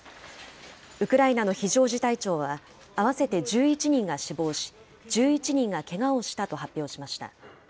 ウクライナの非常事態庁は、合わせて１１人が死亡し、１１人がけがをしたと発表しました。